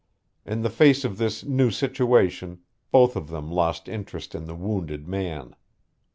In the face of this new situation both of them lost interest in the wounded man.